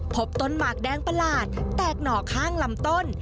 พบต้นหมากแดงประหลาดแตกหน่อข้างลำต้น